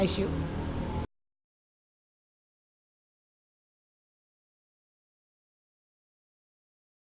ada suatuaries disini kayaknya ke biasis shapeshifting nah gitu pictor